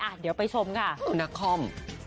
อ่ะเดี๋ยวไปชมค่ะนักคอม